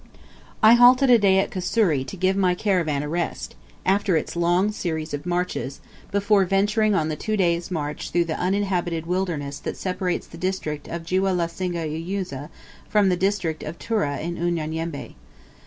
I halted a day at Kusuri to give my caravan a rest, after its long series of marches, before venturing on the two days' march through the uninhabited wilderness that separates the district of Jiweh la Singa Uyanzi from the district of Tura in Unyanyembe.